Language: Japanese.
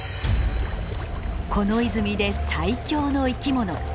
この泉で最強の生き物。